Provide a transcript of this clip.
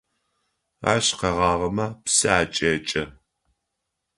Ащ къэгъагъэмэ псы акӏекӏэ.